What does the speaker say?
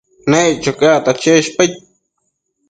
Naiccho cacta cheshpaid